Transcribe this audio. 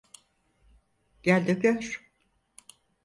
Gel de gör.